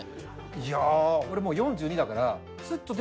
いや俺もう４２だから。